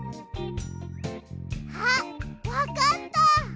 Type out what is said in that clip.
あっわかった！